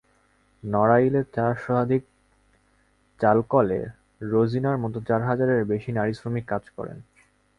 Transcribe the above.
নড়াইলের চার শতাধিক চালকলে রোজিনার মতো চার হাজারের বেশি নারী শ্রমিক কাজ করেন।